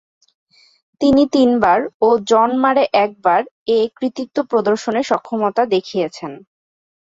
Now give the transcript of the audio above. তিনি তিনবার ও জন মারে একবার এ কৃতিত্ব প্রদর্শনে সক্ষমতা দেখিয়েছেন।